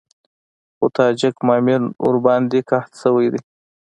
خو تاجک معاون ورباندې قحط شوی دی.